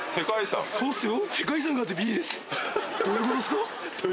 そうっすよ。